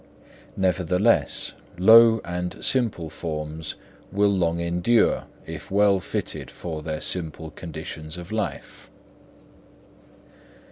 Nevertheless, low and simple forms will long endure if well fitted for their simple conditions of life.